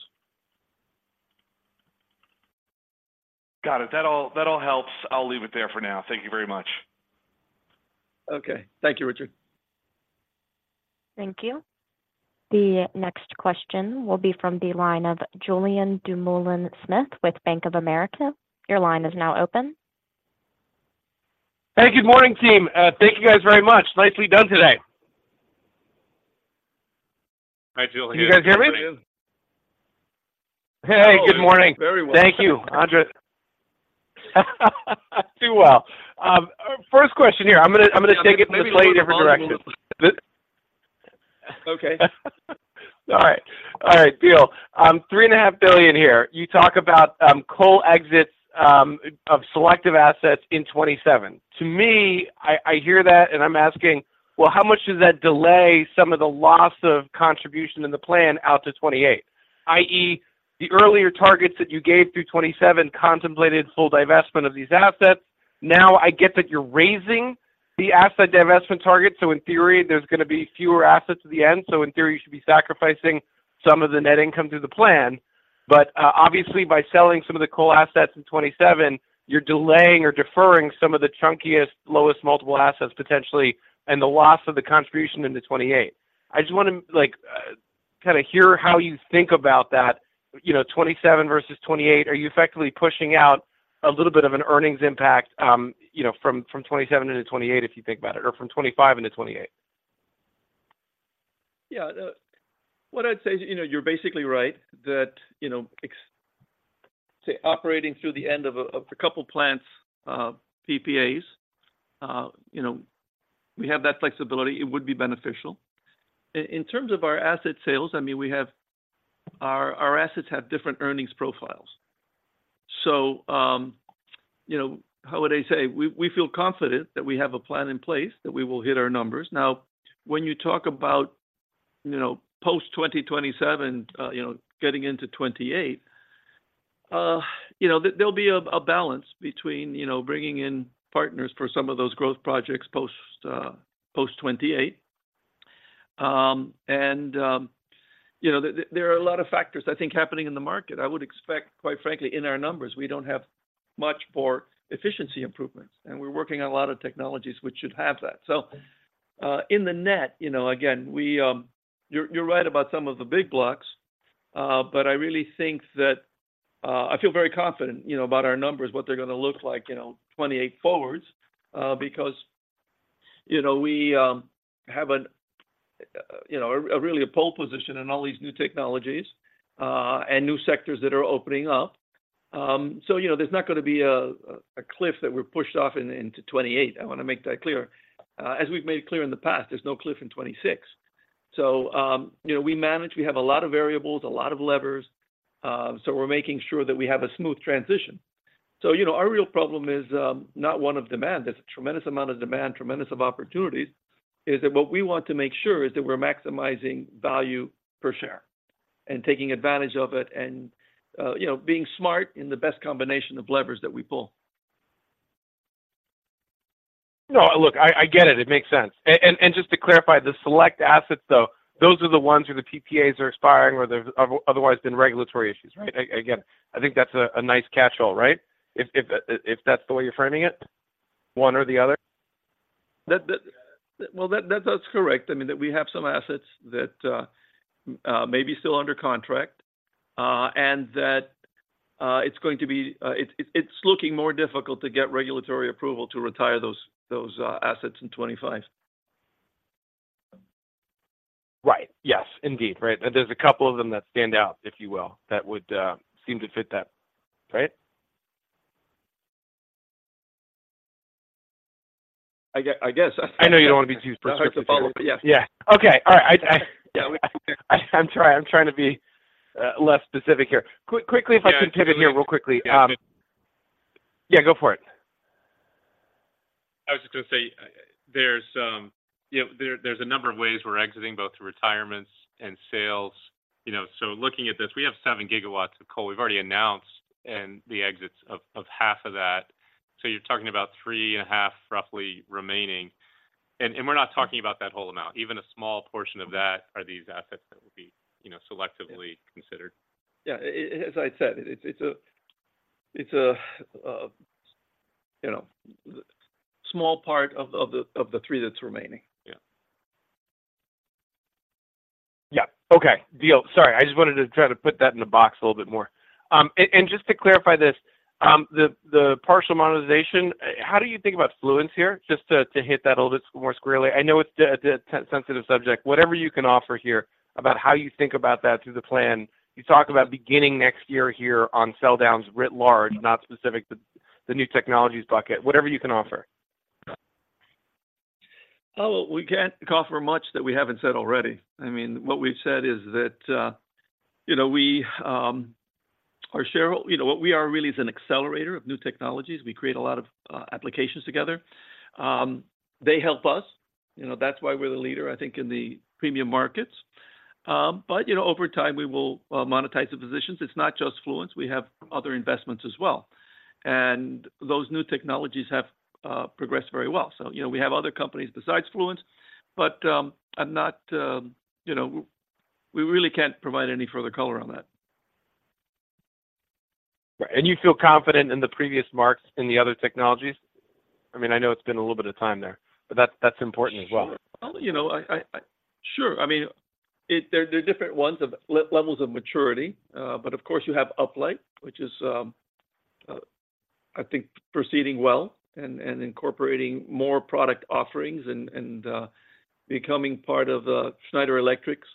Got it. That all, that all helps. I'll leave it there for now. Thank you very much. Okay. Thank you, Richard. Thank you. The next question will be from the line of Julien Dumoulin-Smith with Bank of America. Your line is now open. Hey, good morning, team. Thank you, guys, very much. Nicely done today. Hi, Julien. Can you guys hear me? Yes. Hey, good morning. Very well. Thank you, Andrés. I too well. First question here. I'm gonna take it in a slightly different direction. Okay. All right. All right, deal. $3.5 billion here. You talk about coal exits of selective assets in 2027. To me, I hear that, and I'm asking: Well, how much does that delay some of the loss of contribution in the plan out to 2028? i.e., the earlier targets that you gave through 2027 contemplated full divestment of these assets. Now, I get that you're raising the asset divestment target, so in theory, there's gonna be fewer assets at the end. So in theory, you should be sacrificing some of the net income through the plan. But obviously, by selling some of the coal assets in 2027, you're delaying or deferring some of the chunkiest, lowest multiple assets, potentially, and the loss of the contribution into 2028. I just wanna, like, kinda hear how you think about that, you know, 2027 versus 2028. Are you effectively pushing out a little bit of an earnings impact, you know, from 2027 into 2028, if you think about it, or from 2025 into 2028? Yeah, what I'd say is, you know, you're basically right, that, you know, operating through the end of a couple of plants, PPAs, you know, we have that flexibility, it would be beneficial. In terms of our asset sales, I mean, we have our assets have different earnings profiles. So, you know, how would I say? We feel confident that we have a plan in place, that we will hit our numbers. Now, when you talk about, you know, post-2027, you know, getting into 2028, you know, there'll be a balance between, you know, bringing in partners for some of those growth projects post-2028. And, you know, there are a lot of factors, I think, happening in the market. I would expect, quite frankly, in our numbers, we don't have much for efficiency improvements, and we're working on a lot of technologies which should have that. So, in the net, you know, again, we, you're right about some of the big blocks, but I really think that... I feel very confident, you know, about our numbers, what they're gonna look like, you know, 2028 forwards, because, you know, we have a really a pole position in all these new technologies... and new sectors that are opening up. So, you know, there's not going to be a cliff that we're pushed off in, into 2028. I want to make that clear. As we've made it clear in the past, there's no cliff in 2026. So, you know, we manage, we have a lot of variables, a lot of levers, so we're making sure that we have a smooth transition. So, you know, our real problem is, not one of demand. There's a tremendous amount of demand, tremendous of opportunities. Is that what we want to make sure is that we're maximizing value per share and taking advantage of it and, you know, being smart in the best combination of levers that we pull. No, look, I get it. It makes sense. And just to clarify, the select assets, though, those are the ones where the PPAs are expiring or there's otherwise been regulatory issues, right? Again, I think that's a nice catch-all, right? If that's the way you're framing it, one or the other? Well, that's correct. I mean, that we have some assets that may be still under contract, and that it's going to be... It's looking more difficult to get regulatory approval to retire those assets in 2025. Right. Yes, indeed. Right. And there's a couple of them that stand out, if you will, that would seem to fit that, right? I guess. I know you don't want to be too prescriptive here. It's hard to follow, but yes. Yeah. Okay. All right. Yeah. I'm trying, I'm trying to be less specific here. Quickly, if I can pivot here real quickly. Yeah. Yeah, go for it. I was just going to say, there's, you know, a number of ways we're exiting both retirements and sales, you know, so looking at this, we have 7 GW of coal. We've already announced the exits of half of that. So you're talking about 3.5 roughly remaining. And we're not talking about that whole amount. Even a small portion of that are these assets that would be, you know, selectively- Yeah... considered. Yeah. As I said, it's a, you know, small part of the three that's remaining. Yeah. Yeah. Okay. Deal. Sorry, I just wanted to try to put that in a box a little bit more. And just to clarify this, the partial monetization, how do you think about Fluence here? Just to hit that a little bit more squarely. I know it's a sensitive subject. Whatever you can offer here about how you think about that through the plan. You talk about beginning next year here on sell downs, writ large, not specific to the new technologies bucket. Whatever you can offer. Well, we can't offer much that we haven't said already. I mean, what we've said is that, you know, we, our share-- you know, what we are really is an accelerator of new technologies. We create a lot of applications together. They help us, you know, that's why we're the leader, I think, in the premium markets. But, you know, over time, we will monetize the positions. It's not just Fluence, we have other investments as well. And those new technologies have progressed very well. So, you know, we have other companies besides Fluence, but, I'm not... you know, we really can't provide any further color on that. Right. And you feel confident in the previous marks in the other technologies? I mean, I know it's been a little bit of time there, but that's, that's important as well. Well, you know, Sure. I mean, there are different ones of levels of maturity, but of course, you have Uplight, which is, I think, proceeding well and becoming part of Schneider Electric's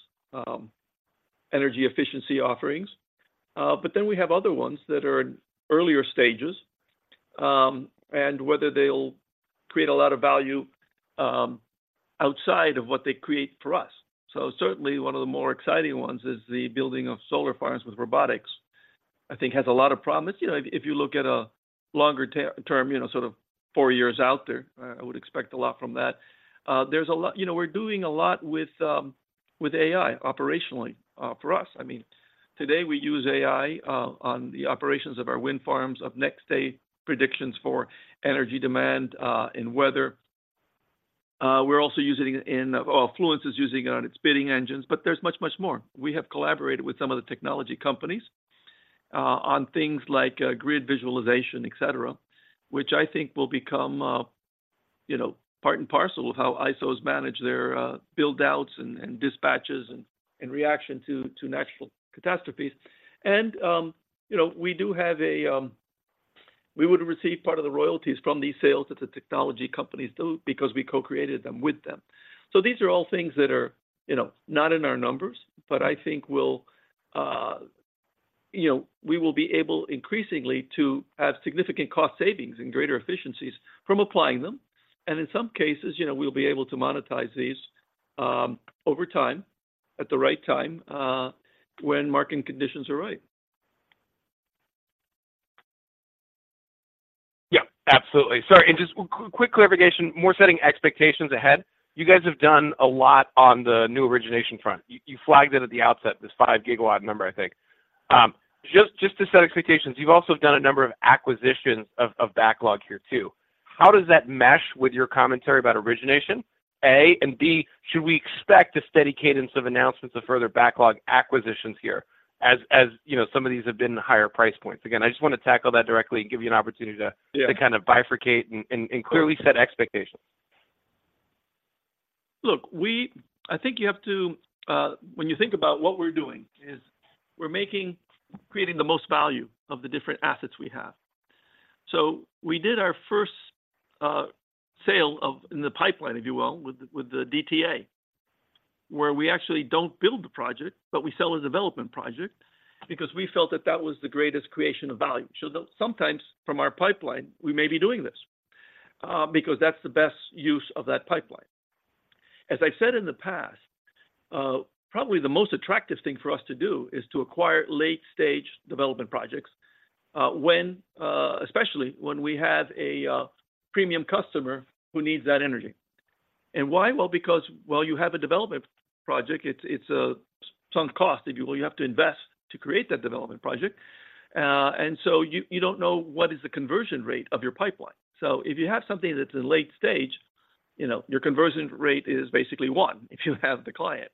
energy efficiency offerings. But then we have other ones that are in earlier stages, and whether they'll create a lot of value, outside of what they create for us. So certainly one of the more exciting ones is the building of solar farms with robotics. I think has a lot of promise. You know, if you look at a longer term, you know, sort of four years out there, I would expect a lot from that. There's a lot-- you know, we're doing a lot with AI operationally, for us. I mean, today, we use AI on the operations of our wind farms, of next-day predictions for energy demand, and weather. We're also using in, Fluence is using it on its bidding engines, but there's much, much more. We have collaborated with some of the technology companies on things like grid visualization, et cetera, which I think will become, you know, part and parcel of how ISOs manage their build outs and dispatches and reaction to natural catastrophes. And, you know, we do have a, we would receive part of the royalties from these sales to the technology companies do because we co-created them with them. So these are all things that are, you know, not in our numbers, but I think will, you know, we will be able increasingly to have significant cost savings and greater efficiencies from applying them. And in some cases, you know, we'll be able to monetize these, over time, at the right time, when market conditions are right. Yeah, absolutely. Sorry, and just quick clarification, more setting expectations ahead. You guys have done a lot on the new origination front. You, you flagged it at the outset, this 5 GW number, I think. Just, just to set expectations, you've also done a number of acquisitions of, of backlog here, too. A, how does that mesh with your commentary about origination? And B, should we expect a steady cadence of announcements of further backlog acquisitions here, as, you know, some of these have been higher price points? Again, I just want to tackle that directly and give you an opportunity to kind of bifurcate and clearly set expectations. Look, we—I think you have to, when you think about what we're doing is we're making, creating the most value of the different assets we have. So we did our first sale of, in the pipeline, if you will, with the DTA, where we actually don't build the project, but we sell a development project because we felt that that was the greatest creation of value. So though sometimes from our pipeline, we may be doing this, because that's the best use of that pipeline. As I've said in the past, probably the most attractive thing for us to do is to acquire late-stage development projects, when, especially when we have a premium customer who needs that energy. And why? Well, because while you have a development project, it's, it's a sunk cost, if you will. You have to invest to create that development project. And so you, you don't know what is the conversion rate of your pipeline. So if you have something that's in late stage, you know, your conversion rate is basically one, if you have the client.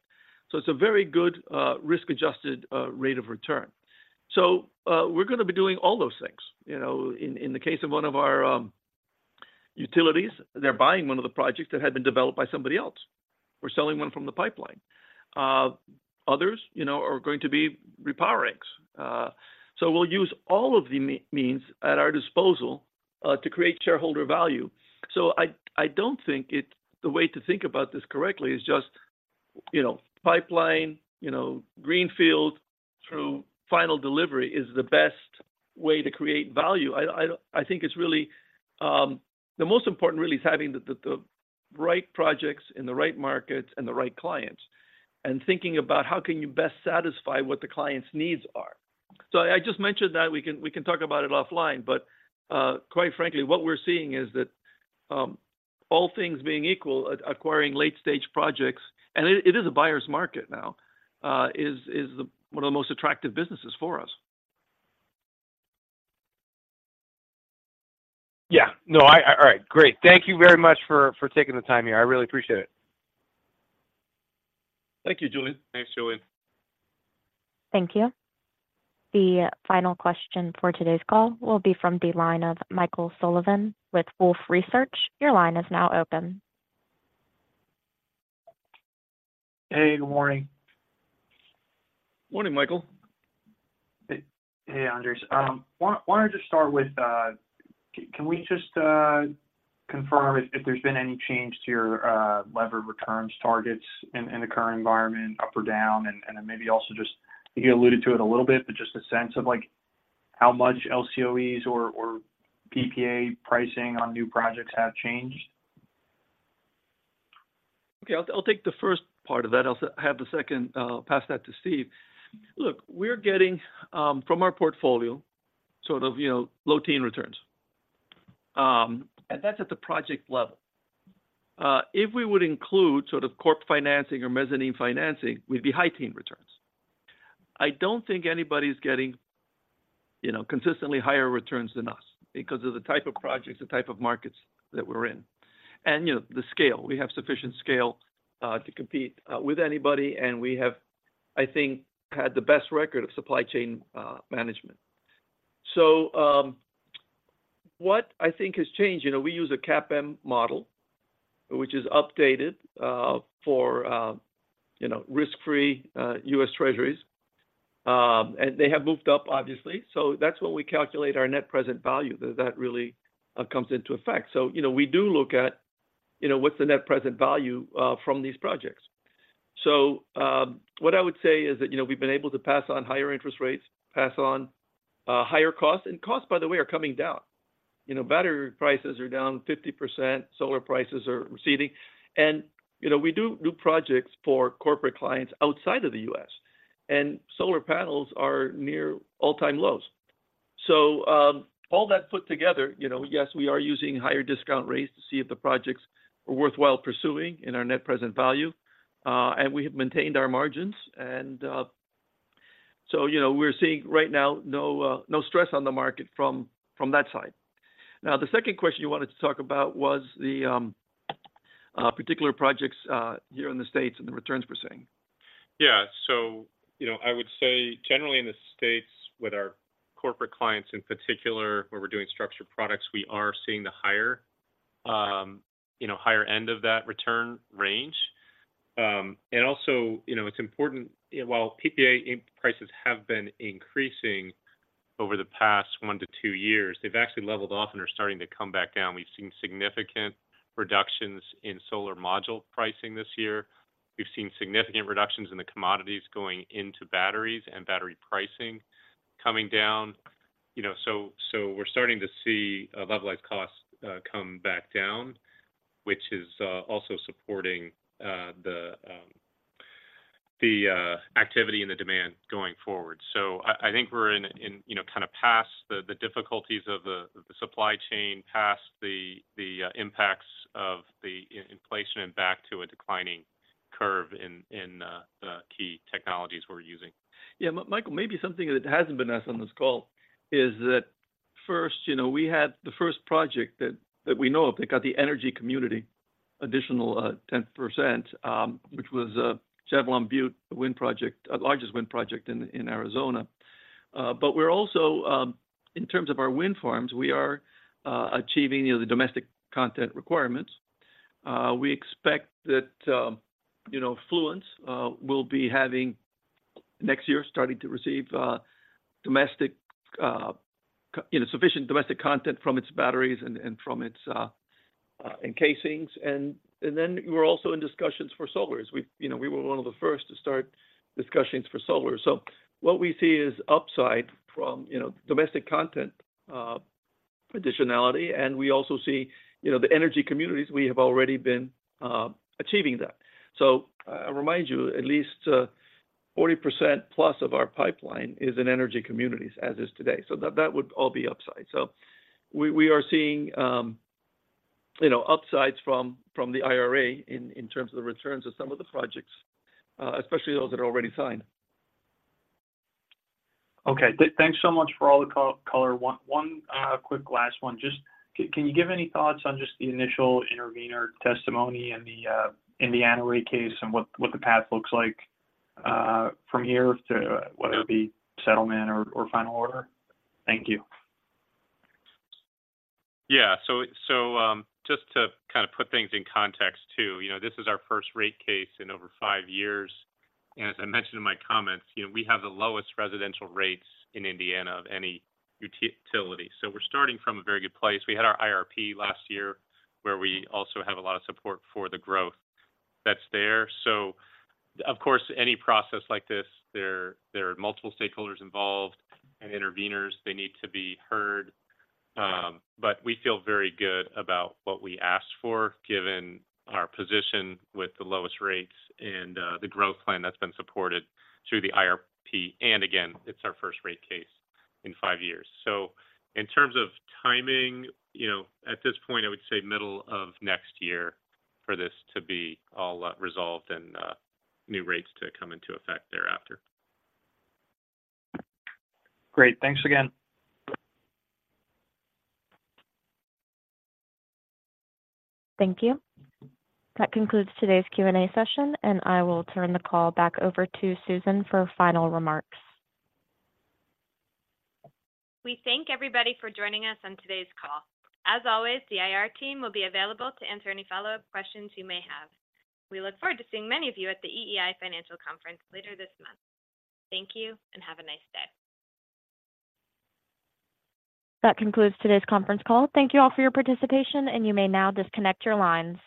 So it's a very good, risk-adjusted, rate of return. So, we're gonna be doing all those things. You know, in, in the case of one of our utilities, they're buying one of the projects that had been developed by somebody else. We're selling one from the pipeline. Others, you know, are going to be repowerings. So we'll use all of the means at our disposal, to create shareholder value. So I don't think it—the way to think about this correctly is just, you know, pipeline, you know, greenfield through final delivery is the best way to create value. I think it's really the most important really is having the right projects in the right markets and the right clients, and thinking about how can you best satisfy what the client's needs are. So I just mentioned that we can talk about it offline, but quite frankly, what we're seeing is that all things being equal, acquiring late-stage projects, and it is a buyer's market now, is the one of the most attractive businesses for us. Yeah. No, I. All right, great. Thank you very much for taking the time here. I really appreciate it. Thank you, Julien. Thanks, Julien. Thank you. The final question for today's call will be from the line of Michael Sullivan with Wolfe Research. Your line is now open. Hey, good morning. Morning, Michael. Hey, hey, Andrés. Wanna just start with, can we just, confirm if, if there's been any change to your, levered returns targets in, the current environment, up or down? And then maybe also just, I think you alluded to it a little bit, but just a sense of, like, how much LCOEs or, PPA pricing on new projects have changed? Okay, I'll take the first part of that. I'll have the second, pass that to Steve. Look, we're getting from our portfolio, sort of, you know, low-teen returns. And that's at the project level. If we would include sort of corp financing or mezzanine financing, we'd be high-teen returns. I don't think anybody's getting, you know, consistently higher returns than us because of the type of projects, the type of markets that we're in, and, you know, the scale. We have sufficient scale to compete with anybody, and we have, I think, had the best record of supply chain management. So, what I think has changed, you know, we use a CAPM model, which is updated for, you know, risk-free U.S. Treasuries. And they have moved up, obviously. So that's when we calculate our net present value, that really comes into effect. So, you know, we do look at, you know, what's the net present value from these projects. So, what I would say is that, you know, we've been able to pass on higher interest rates, pass on higher costs. And costs, by the way, are coming down. You know, battery prices are down 50%, solar prices are receding. And, you know, we do new projects for corporate clients outside of the U.S., and solar panels are near all-time lows. So, all that put together, you know, yes, we are using higher discount rates to see if the projects are worthwhile pursuing in our net present value, and we have maintained our margins. So, you know, we're seeing right now no stress on the market from that side. Now, the second question you wanted to talk about was the particular projects here in the States and the returns we're seeing. Yeah. So, you know, I would say generally in the States, with our corporate clients in particular, where we're doing structured products, we are seeing the higher, you know, higher end of that return range. And also, you know, it's important, while PPA prices have been increasing over the past one to two years, they've actually leveled off and are starting to come back down. We've seen significant reductions in solar module pricing this year. We've seen significant reductions in the commodities going into batteries and battery pricing coming down. You know, so, so we're starting to see a levelized cost come back down, which is also supporting the activity and the demand going forward. So I think we're in, you know, kinda past the difficulties of the supply chain, past the impacts of the inflation and back to a declining curve in the key technologies we're using. Yeah, Michael, maybe something that hasn't been asked on this call is that first, you know, we had the first project that we know of that got the energy community additional 10%, which was Chevelon Butte wind project, the largest wind project in Arizona. But we're also in terms of our wind farms, we are achieving, you know, the domestic content requirements. We expect that, you know, Fluence will be having next year, starting to receive domestic, you know, sufficient domestic content from its batteries and from its encasings. And then we're also in discussions for solars. We, you know, we were one of the first to start discussions for solar. So what we see is upside from, you know, domestic content, additionality, and we also see, you know, the energy communities, we have already been achieving that. So I remind you, at least 40%+ of our pipeline is in energy communities, as is today. So that, that would all be upside. So we, we are seeing, you know, upsides from, from the IRA in, in terms of the returns of some of the projects, especially those that are already signed. Okay. Thanks so much for all the color. One quick last one. Just can you give any thoughts on just the initial intervener testimony in the Indiana rate case and what the path looks like from here to whether it be settlement or final order? Thank you. Yeah. So just to kind of put things in context, too, you know, this is our first rate case in over five years, and as I mentioned in my comments, you know, we have the lowest residential rates in Indiana of any utility. So we're starting from a very good place. We had our IRP last year, where we also have a lot of support for the growth that's there. So of course, any process like this, there are multiple stakeholders involved and interveners; they need to be heard. But we feel very good about what we asked for, given our position with the lowest rates and the growth plan that's been supported through the IRP. And again, it's our first rate case in five years. In terms of timing, you know, at this point, I would say middle of next year for this to be all resolved and new rates to come into effect thereafter. Great. Thanks again. Thank you. That concludes today's Q&A session, and I will turn the call back over to Susan for final remarks. We thank everybody for joining us on today's call. As always, the IR team will be available to answer any follow-up questions you may have. We look forward to seeing many of you at the EEI Financial Conference later this month. Thank you, and have a nice day. That concludes today's conference call. Thank you all for your participation, and you may now disconnect your lines.